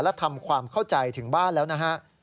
และทำความเข้าใจถึงบ้านแล้วนะฮะ